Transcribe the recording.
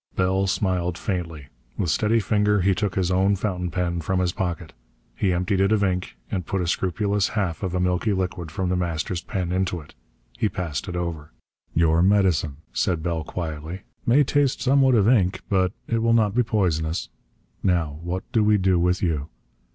Bell smiled faintly. With steady finger he took his own fountain pen from his pocket. He emptied it of ink, and put a scrupulous half of a milky liquid from The Master's pen into it. He passed it over. "Your medicine," said Bell quietly, "may taste somewhat of ink, but it will not be poisonous. Now, what do we do with you?